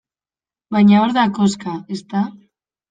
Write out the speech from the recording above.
Baina hor da koxka, ezta?